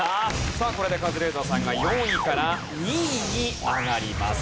さあこれでカズレーザーさんが４位から２位に上がります。